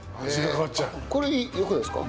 これ良くないですか？